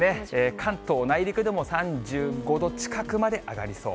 関東内陸でも３５度近くまで上がりそう。